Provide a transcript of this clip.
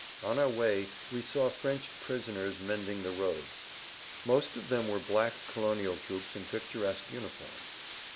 On our way we saw French prisoners mending the roads. Most of them were black colonial troops in picturesque uniforms.